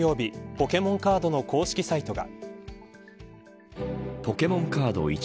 ポケモンカードの公式サイトが。